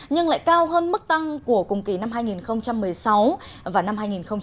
nhưng lại cao hơn mức tăng của cùng kỳ năm hai nghìn một mươi sáu và năm hai nghìn một mươi bảy